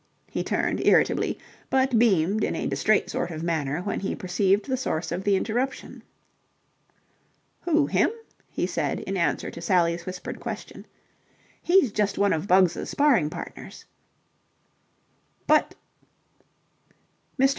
He turned irritably, but beamed in a distrait sort of manner when he perceived the source of the interruption. "Who him?" he said in answer to Sally's whispered question. "He's just one of Bugs' sparring partners." "But..." Mr.